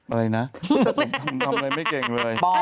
อะไรนะทำอะไรไม่เก่งเลย